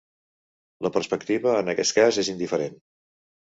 La perspectiva en aquest cas és indiferent.